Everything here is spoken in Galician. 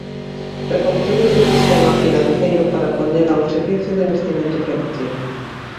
Reconstruír o seu sistema financeiro para poñelo ao servizo do investimento produtivo.